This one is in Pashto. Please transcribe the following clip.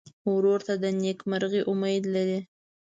ورور ته د نېکمرغۍ امید لرې.